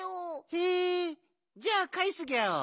へえじゃあかえすギャオ。